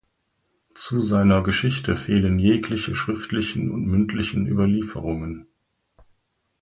Zu seiner Geschichte fehlen jegliche schriftlichen und mündlichen Überlieferungen.